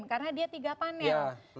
karena dia tiga panel